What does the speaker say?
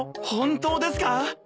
本当ですか？